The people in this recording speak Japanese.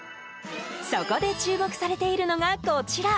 そこで注目されているのがこちら。